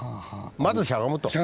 まずしゃがむと。